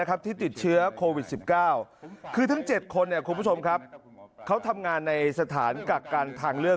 เขาทำงานในสถานกากการทางเลือก